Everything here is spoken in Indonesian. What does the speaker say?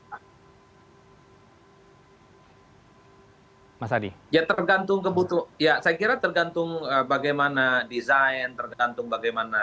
hai mas adi ya tergantung kebutuhan ya saya kira tergantung bagaimana desain tergantung bagaimana